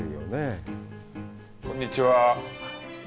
こんにちは。